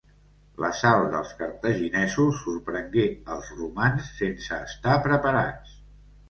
L'assalt dels cartaginesos sorprengué els romans sense estar preparats.